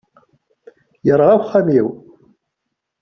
Yerɣa uxxam-iw.